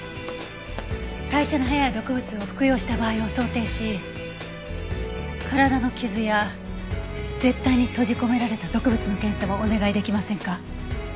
代謝の早い毒物を服用した場合を想定し体の傷や舌苔に閉じ込められた毒物の検査もお願いできませんか？